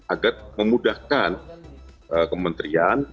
agar memudahkan kementerian